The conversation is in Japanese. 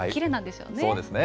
そうですね。